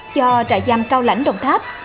cho trại giam cao lãnh đồng tháp